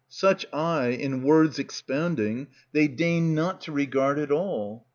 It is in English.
Such I in words expounding, They deigned not to regard at all.